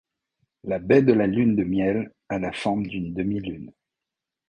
La baie de la Lune de Miel a la forme d’une demi-lune.